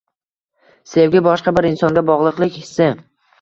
Sevgi, boshqa bir insonga bog’liqlik hissi